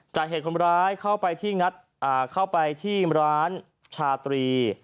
จ่ายเหตุคนร้ายเข้าไปที่ร้านชาตรี